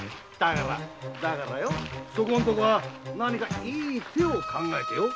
だからそこは何かいい手を考えてよ。